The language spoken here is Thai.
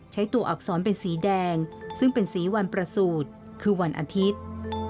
ใช้ตัวอักษรเป็นสีแดงซึ่งเป็นสีวันประสูจน์คือวันอาทิตย์